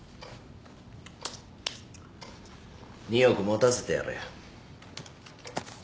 ２億持たせてやれ。